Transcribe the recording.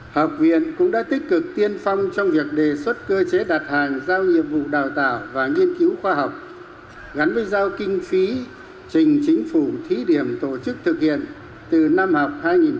học viện cũng đã tích cực tiên phong trong việc đề xuất cơ chế đặt hàng giao nhiệm vụ đào tạo và nghiên cứu khoa học gắn với giao kinh phí trình chính phủ thí điểm tổ chức thực hiện từ năm học hai nghìn một mươi chín hai nghìn hai mươi một